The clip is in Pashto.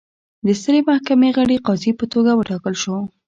د سترې محکمې غړي قاضي په توګه وټاکل شو.